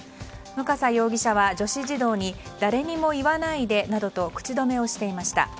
向笠容疑者は女子児童に誰にも言わないでなどと口止めをしていました。